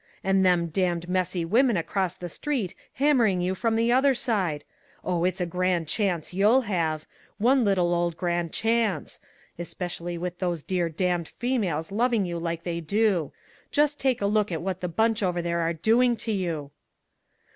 and them damned messy women across the street hammering you from the other side? Oh, it's a grand chance you have one little old grand chance! Especially with those dear damned females loving you like they do! Jest take a look at what the bunch over there are doing to you!"